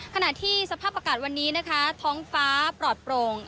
ขณะที่สภาพอากาศวันนี้นะคะท้องฟ้าปลอดโปร่ง